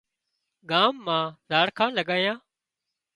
ڳام مان زاڙکان لڳايان